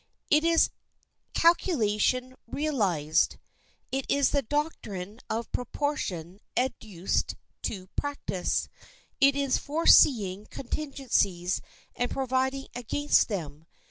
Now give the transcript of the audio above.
It is calculation realized; it is the doctrine of proportion educed to practice. It is foreseeing contingencies and providing against them.